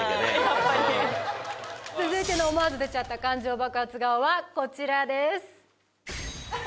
やっぱり続いての思わず出ちゃった感情バクハツ顔はこちらですあっ